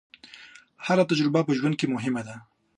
هره تجربه په ژوند کې مهمه ده.